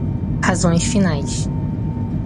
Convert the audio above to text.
razões finais